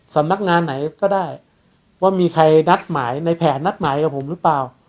สำนักงานไหนก็ได้ว่ามีใครนัดหมายในแผนนัดหมายกับผมหรือเปล่า